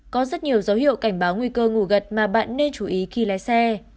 có rất nhiều dấu hiệu cảnh báo nguy cơ ngủ gật mà bạn nên chú ý khi lái xe